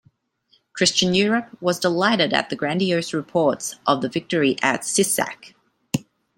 Christian Europe was delighted at the grandiose reports of the victory at Sisak.